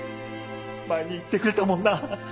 前に言ってくれたもんな。